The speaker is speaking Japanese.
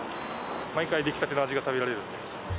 毎回出来立ての味が食べられるんで。